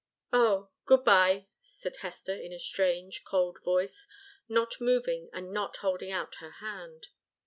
"Oh good bye," said Hester in a strange, cold voice, not moving and not holding out her hand.